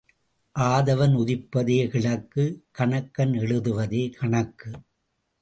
ஆதவன் உதிப்பதே கிழக்கு கணக்கன் எழுதுவதே கணக்கு.